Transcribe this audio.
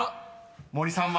森さんは？］